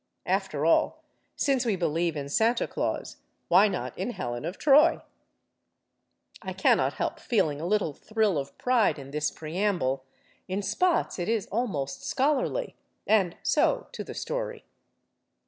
After all, since we believe in Santa Claus, why not in Helen of Troy? (I cannot help feeling a little thrill of pride in this preamble. In spots, it is almost scholarly. And so to the story.)